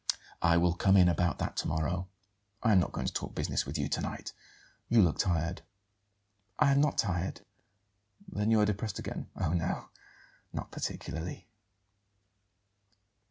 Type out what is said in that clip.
"I will come in about that to morrow. I am not going to talk business with you to night; you look tired." "I am not tired." "Then you are depressed again." "Oh, no; not particularly."